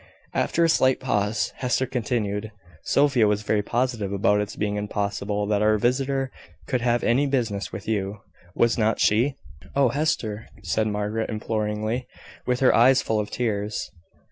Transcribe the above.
After a slight pause, Hester continued "Sophia was very positive about its being impossible that our visitor could have any business with you was not she?" "Oh, Hester!" said Margaret, imploringly, with her eyes full of tears.